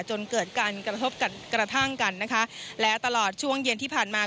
จนเกิดการกระทบกระทั่งกันนะคะและตลอดช่วงเย็นที่ผ่านมา